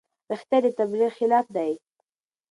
رښتیا د تبلیغ خلاف دي.